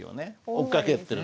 追っかけてる。